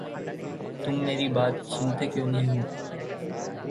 तुम मेरी बात सुनते क्यों नहीं हो?